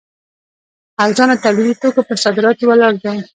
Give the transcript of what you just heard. ارزانه تولیدي توکو پر صادراتو ولاړ دی.